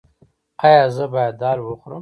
ایا زه باید دال وخورم؟